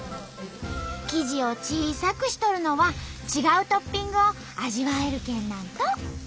生地を小さくしとるのは違うトッピングを味わえるけんなんと。